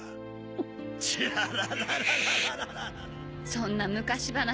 そんな昔話。